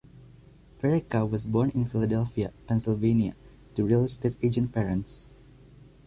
Verica was born in Philadelphia, Pennsylvania to real estate agent parents.